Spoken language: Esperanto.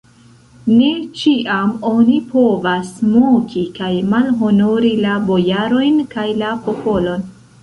Ne ĉiam oni povas moki kaj malhonori la bojarojn kaj la popolon!